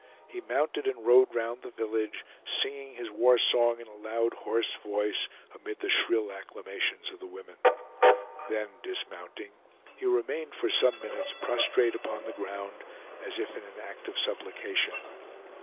He mounted and rode round the village, singing his war song in a loud hoarse voice amid the shrill acclamations of the women. Then dismounting, he remained for some minutes prostrate upon the ground, as if in an act of supplication.